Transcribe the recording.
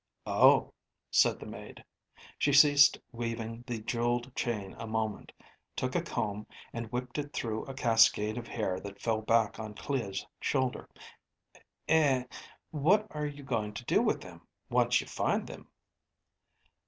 "Oh," said the maid. She ceased weaving the jeweled chain a moment, took a comb, and whipped it through a cascade of hair that fell back on Clea's shoulder. "Eh ... what are you going to do with them, once you find them?"